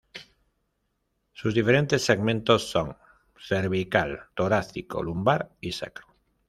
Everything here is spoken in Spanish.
Sus diferentes segmentos son: cervical, torácico, lumbar y sacro.